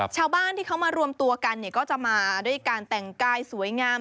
ชาวบ้านที่เขามารวมตัวกันเนี่ยก็จะมาด้วยการแต่งกายสวยงาม